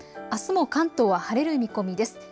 あすも関東は晴れる見込みです。